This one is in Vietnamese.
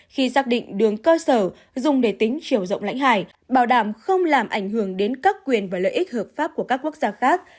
khi xác định đường cơ sở dùng để tính chiều rộng lãnh hải bảo đảm không làm ảnh hưởng đến các quyền và lợi ích hợp pháp của các quốc gia khác